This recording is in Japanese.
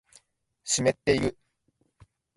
湿ってる